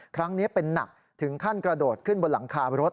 ครั้งนี้เป็นหนักถึงขั้นกระโดดขึ้นบนหลังคารถ